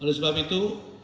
oleh sebab itu